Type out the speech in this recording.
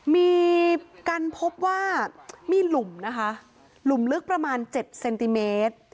มีการพบว่ามีหลุมนะคะหลุมลึกประมาณ๗เซนติเมตร